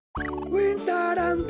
ウインターランド！